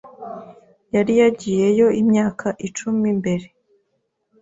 Yari yagiyeyo imyaka icumi mbere.